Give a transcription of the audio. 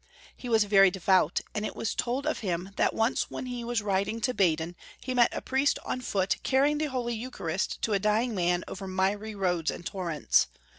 He was very devout, and it was told of him that once when he was riding to Baden he met a priest on foot carrying the Holy Eucharist to a dying man over miry roads and torrents.